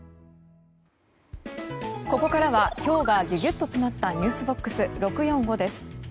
ここからは今日がギュギュッと詰まったｎｅｗｓＢＯＸ６４５です。